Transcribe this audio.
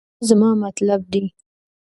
همدا زما مطلب دی